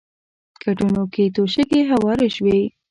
کټونو کې توشکې هوارې شوې.